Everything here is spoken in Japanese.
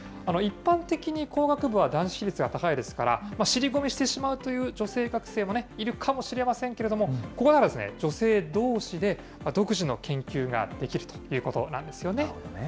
一般的に工学部は男子比率が高いですから、尻込みしてしまうという女性学生もね、いるかもしれませんけれども、ここなら、女性どうしで独自の研究ができるということなんですよね。